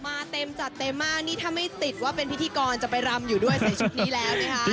มาเต็มจัดเต็มมากนี่ถ้าไม่ติดว่าเป็นพิธีกรจะไปรำอยู่ด้วยใส่ชุดนี้แล้วนะคะ